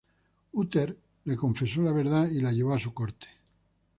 Uther le confesó la verdad y la llevó a su corte.